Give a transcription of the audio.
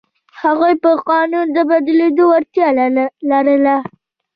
هغوی په قانون د بدلېدو وړتیا لرله.